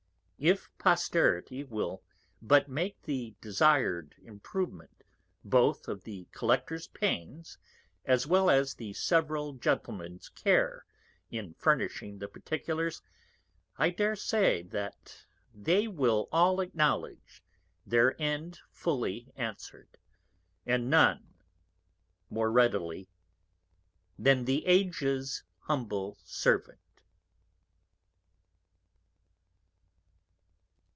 _ _If Posterity will but make the desired Improvement both of the Collector's Pains, as well as the several Gentlemens Care in furnishing the Particulars, I dare say they will all acknowledge their End fully answer'd, and none more readily than_ The Ages Humble Servant.